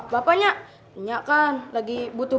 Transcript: bapaknya enggak kan lagi butuh